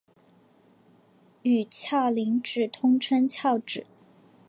与鞘磷脂通称鞘脂。